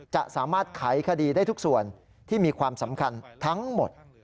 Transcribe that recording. จะสามารถไขคดีได้ทุกส่วนที่มีความสำคัญทั้งหมด